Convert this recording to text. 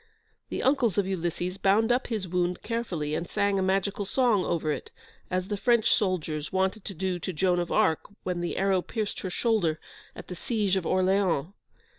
The uncles of Ulysses bound up his wound carefully, and sang a magical song over it, as the French soldiers wanted to do to Joan of Arc when the arrow pierced her shoulder at the siege of Orleans.